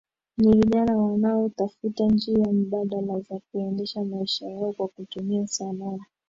Ni vijana wanaotafuta njia mbadala za kuendesha maisha yao kwa kutumia sanaa